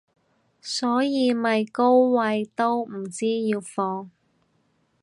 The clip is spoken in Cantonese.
所以咪高位都唔知要放